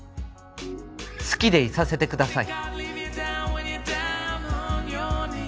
好きでいさせてください